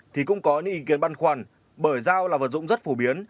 thì cũng có những ý kiến băn khoăn bởi dao là vật dụng rất phổ biến